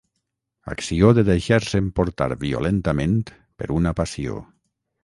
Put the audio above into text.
Acció de deixar-se emportar violentament per una passió.